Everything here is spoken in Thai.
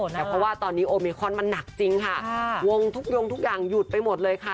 แต่เพราะว่าตอนนี้โอเมคอนมันหนักจริงค่ะวงทุกยงทุกอย่างหยุดไปหมดเลยค่ะ